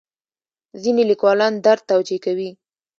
ځینې لیکوالان درد توجیه کوي.